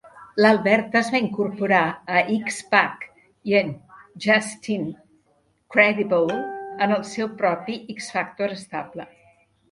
L'Albert es va incorporar a X-Pac i en Justin Credible en el seu propi X-Factor estable.